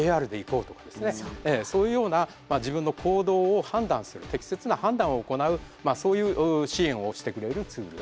そういうような自分の行動を判断する適切な判断を行うそういう支援をしてくれるツール。